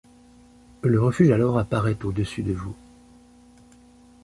Le refuge alors apparaît au-dessus de vous.